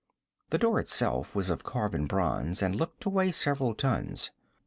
The door itself was of carven bronze and looked to weigh several tons.